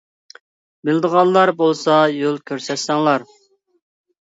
بىلىدىغانلار بولسا يول كۆرسەتسەڭلار.